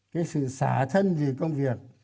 cái sự xả thân vì công việc